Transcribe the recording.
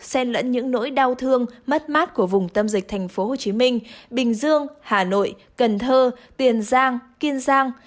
xen lẫn những nỗi đau thương mất mát của vùng tâm dịch tp hcm bình dương hà nội cần thơ tiền giang kiên giang